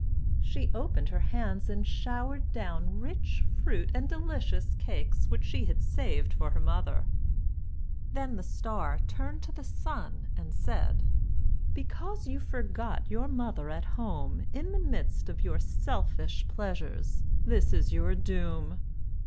She opened her hands and showered down rich fruit and delicious cakes which she had saved for her mother. Then the Star turned to the Sun and said: "Because you forgot your mother at home, in the midst of your selfish pleasures, this is your doom.